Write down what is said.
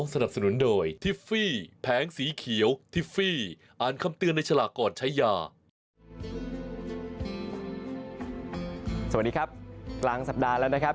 สวัสดีครับกลางสัปดาห์แล้วนะครับ